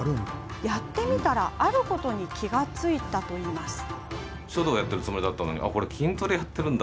やってみたらあることに気が付いたといいます。